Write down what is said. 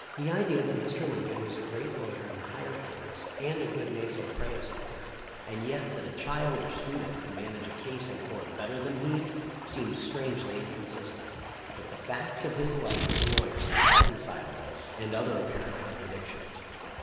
The idea that Mr. Lincoln was a great law yer in the higher courts and a good nisi prius lawyer, and yet that a child or student could manage a case in court better than he, seems strangely inconsistent, but the facts of his life as a lawyer will reconcile this and other apparent contradictions.